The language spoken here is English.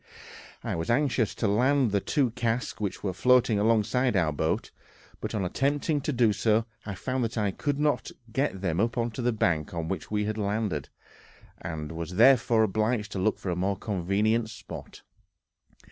I was anxious to land the two casks which were floating alongside our boat, but on attempting to do so I found that I could not get them up the bank on which we had landed, and was therefore obliged to look for a more convenient spot.